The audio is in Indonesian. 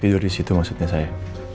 tidur disitu maksudnya saya